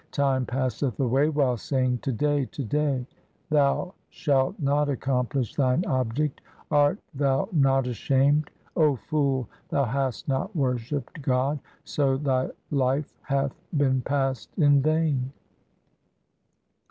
Time passeth away while saying to day, to day : thou shalt not accomplish thine object ; art thou not ashamed ? O fool, thou hast not worshipped God, so thy life hath been passed in vain.